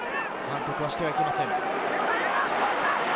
反則はしてはいけません。